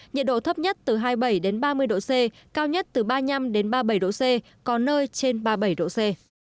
nhiệt độ thấp nhất từ hai mươi bảy ba mươi độ c cao nhất từ ba mươi năm ba mươi bảy độ c có nơi trên ba mươi bảy độ c